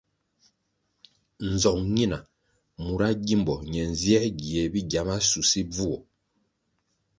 Nzong nina mura gímbo ne nzier gie bigya masusi bvuo.